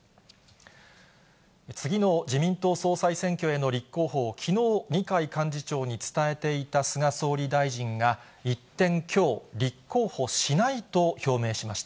次の自民党総裁選挙への立候補をきのう、二階幹事長に伝えていた菅総理大臣が、一転、きょう、立候補しないと表明しました。